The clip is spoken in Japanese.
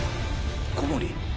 小森？